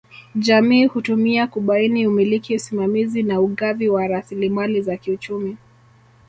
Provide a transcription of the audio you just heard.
Jamii hutumia kubaini umiliki usimamizi na ugavi wa rasilimali za kiuchumi